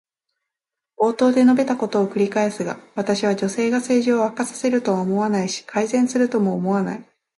冒頭で述べたことを繰り返すが、私は女性が政治を悪化させるとは思わないし、改善するとも思わない。